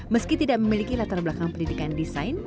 meski tidak memiliki latar belakang pendidikan desain